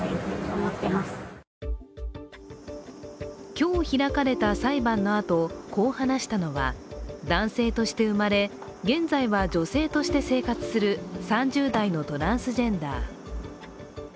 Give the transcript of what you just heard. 今日開かれた裁判のあと、こう話したのは男性として生まれ、現在は女性として生活する３０代のトランスジェンダー。